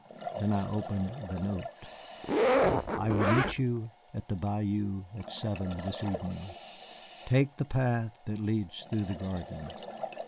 Then I opened the note. "I will meet you at the bayou at seven this evening. Take the path that leads through the garden."